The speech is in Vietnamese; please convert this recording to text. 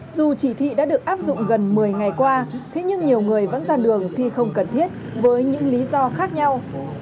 dù chỉ thị đã được áp dụng gần một mươi ngày qua thế nhưng nhiều người vẫn ra đường khi không cần thiết với những lý do khác nhau